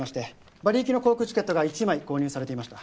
バリ行きの航空チケットが１枚購入されていました。